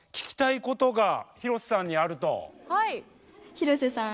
広瀬さん